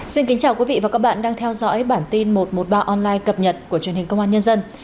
xin kính chào quý vị và các bạn đang theo dõi bản tin một trăm một mươi ba online cập nhật của truyền hình công an nhân dân